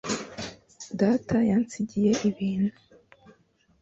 Data yansigiye ibintu.